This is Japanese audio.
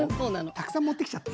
たくさん持ってきちゃった。